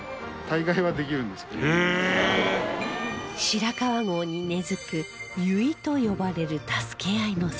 白川郷に根付く結と呼ばれる助け合いの精神